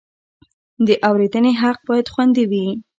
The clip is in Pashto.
د اورېدنې حق باید خوندي وي.